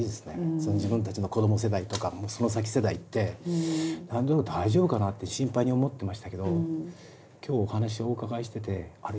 その自分たちの子ども世代とかその先世代って何となく大丈夫かなって心配に思ってましたけど今日お話をお伺いしててあれ？